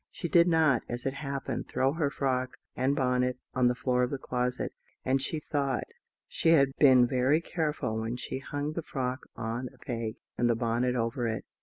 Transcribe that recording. She did not, as it happened, throw her frock and bonnet on the floor of the closet; and she thought she had been very careful when she hung the frock on a peg and the bonnet over it.